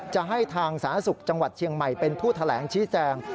จะให้ทางสาธารณสุขจังหวัดเชียงใหม่เป็นผู้แถลงชี้แจง